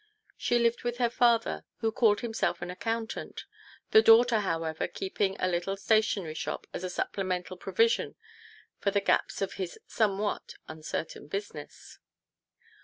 She lived with her father, who called himself an accountant, the daughter, however, keeping a little stationery shop as a supplemental provision for the gaps of his somewhat uncertain business.